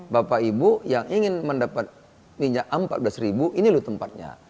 bapak ibu yang ingin mendapat minyak a empat belas ini loh tempatnya